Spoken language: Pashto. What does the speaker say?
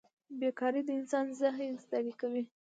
بېکارۍ د انسان ذهن ستړی کوي.